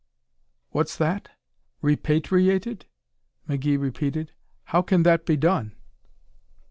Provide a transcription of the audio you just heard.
"What's that? Repatriated?" McGee repeated. "How can that be done?"